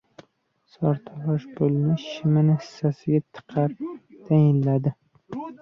— Sartarosh pulni shimining kissasiga tiqarkan, tayinladi.